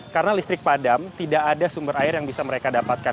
karena listrik padam tidak ada sumber air yang bisa mereka dapatkan